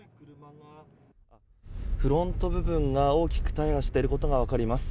フロント部分が大きく大破していることが分かります。